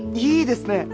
いいですね！